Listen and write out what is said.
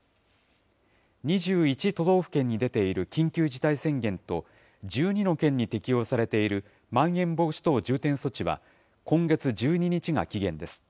２１都道府県に出ている緊急事態宣言と、１２の県に適用されている、まん延防止等重点措置は、今月１２日が期限です。